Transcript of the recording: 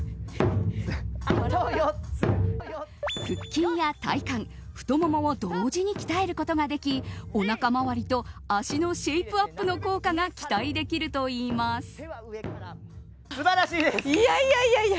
腹筋や体幹、太ももを同時に鍛えることができおなかまわりと足のシェイプアップの効果が期待できるといいます。